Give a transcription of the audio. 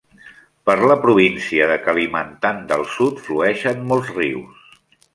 Per la província de Kalimantan del Sud flueixen molts rius.